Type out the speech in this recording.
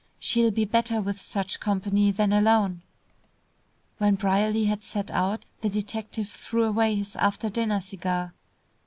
She'll be better with such company than alone." When Brierly had set out, the detective threw away his after dinner cigar.